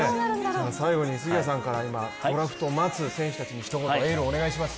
最後に杉谷さんからドラフトを待つ選手にエールをお願いします。